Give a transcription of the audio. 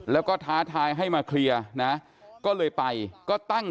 แล้วก็ท้าทายให้มาเคลียร์นะก็เลยไปก็ตั้ง